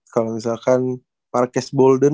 kalau misalkan marcus bolden